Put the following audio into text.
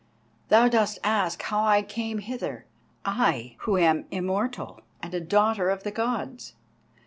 Thou dost ask how I came hither, I, who am immortal and a daughter of the Gods?